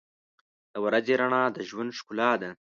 • د ورځې رڼا د ژوند ښکلا ده.